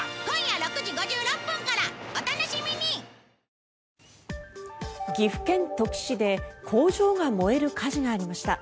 東京海上日動岐阜県土岐市で工場が燃える火事がありました。